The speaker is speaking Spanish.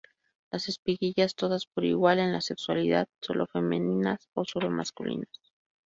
Las espiguillas todas por igual en la sexualidad; solo femeninas o solo masculinas.